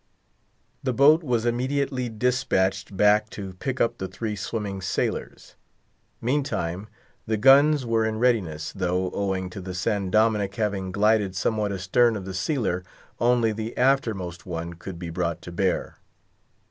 The boat was immediately dispatched back to pick up the three swimming sailors. Meantime, the guns were in readiness, though, owing to the San Dominick having glided somewhat astern of the sealer, only the aftermost one could be brought to bear.